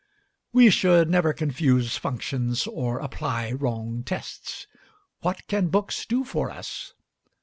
We should never confuse functions or apply wrong tests. What can books do for us?